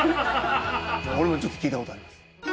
俺もちょっと聞いたことあります。